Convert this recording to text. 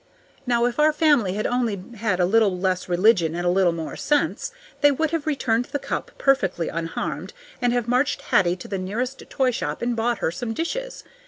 Now, if our family had only had a little less religion and a little more sense, they would have returned the cup, perfectly unharmed, and have marched Hattie to the nearest toy shop and bought her some dishes.